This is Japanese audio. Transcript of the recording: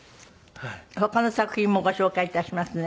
他の作品もご紹介致しますね。